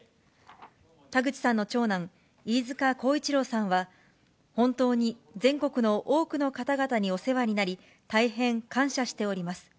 田口さんの長男、飯塚耕一郎さんは、本当に全国の多くの方々にお世話になり、大変感謝しております。